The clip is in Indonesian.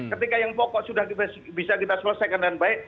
ketika yang pokok sudah bisa kita selesaikan dengan baik